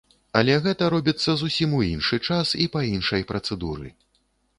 Але гэта робіцца зусім у іншы час і па іншай працэдуры.